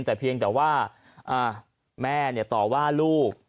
แต่เพียงแต่ว่าอ่าแม่เนี่ยต่อว่าลูก